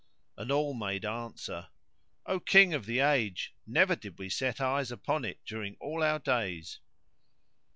and all made answer, "O King of the age never did we set eyes upon it during all our days."